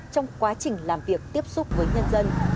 trong quá trình làm việc tiếp xúc với nhân dân